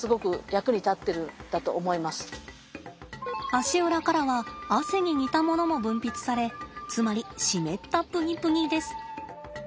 足裏からは汗に似たものも分泌されつまり湿ったプニプニです。